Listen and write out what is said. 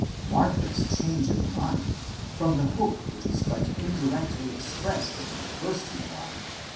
Martha's change of mind, from the hope which is but indirectly expressed in her first reply (v.